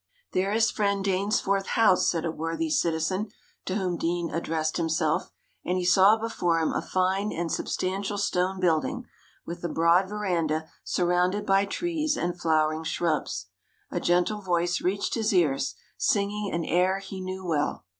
"There is friend Dainsforth's house," said a worthy citizen to whom Deane addressed himself; and he saw before him a fine and substantial stone building, with a broad verandah surrounded by trees and flowering shrubs. A gentle voice reached his ears, singing an air he knew well.